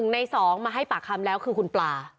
ใน๒มาให้ปากคำแล้วคือคุณปลา